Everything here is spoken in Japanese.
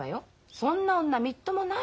そんな女みっともないだけよ。